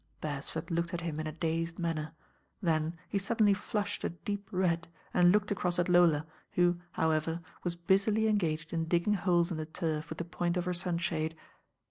Beresford looked at him in a dazed manner, then he suddenly flushed a deep red and looked across at Lola, who, however, was busily engaged in digging holes in the turf with the point of her sunshade.